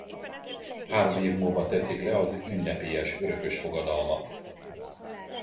Három év múlva teszik le az ünnepélyes örökös fogadalmat.